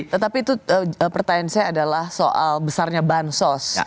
tetapi itu pertanyaan saya adalah soal besarnya bansos